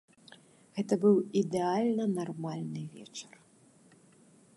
Гэта быў ідэальна нармальны вечар.